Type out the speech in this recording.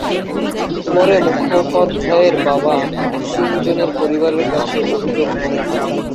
পরে মুখোপাধ্যায়ের বাবা তিনজনের পরিবারের কাছে অভিযোগ করেন।